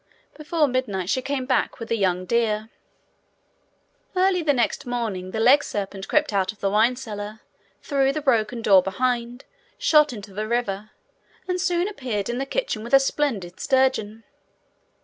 Before midnight she came back with a young deer. Early the next morning the legserpent crept out of the wine cellar, through the broken door behind, shot into the river, and soon appeared in the kitchen with a splendid sturgeon.